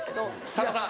さんまさん